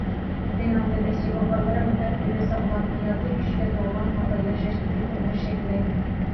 مېنىڭ دېمەكچى بولغانلىرىم ھەر كۈنى ساغلام، ھاياتىي كۈچكە تولغان ھالدا ياشاشتىكى تۇرمۇش شەكلى!